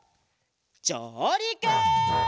じょうりく！